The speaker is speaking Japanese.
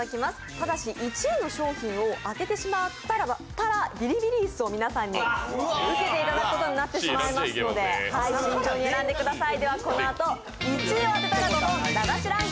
ただし１位の商品を当ててしまったらビリビリ椅子を皆さんに受けていただくことになってしまいますので慎重に選んでください。